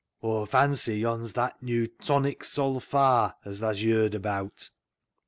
" Aw fancy yon's that new Tonic Sol fa as thaa's yerd abaat."